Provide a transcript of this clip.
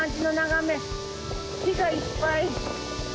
木がいっぱい。